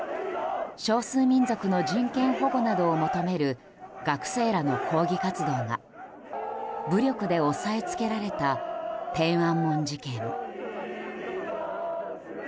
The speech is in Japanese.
少数民族の人権保護などを求める学生らの抗議活動が武力で押さえつけられた天安門事件。